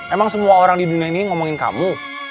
emang semua orang di dunia ini ngomongin kamu